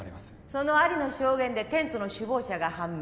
そのアリの証言でテントの首謀者が判明